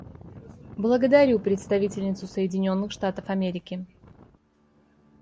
Благодарю представительницу Соединенных Штатов Америки.